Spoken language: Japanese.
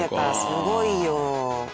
すごいよ。